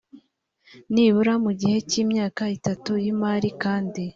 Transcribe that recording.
nibura mu gihe cy imyaka itatu y imari kandi